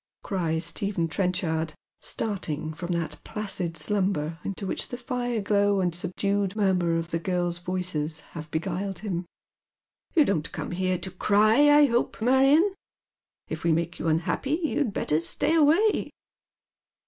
cries Stephen Trenchard, starting from that placid si umber into which the fire glow and tlie subdued murmur of the girls' voices have beguiled him. " You don't come here to cry, I hope, Marion. If we make you unhappy you'd better stay away."